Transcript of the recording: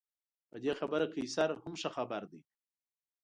په دې خبره قیصر هم ښه خبر دی.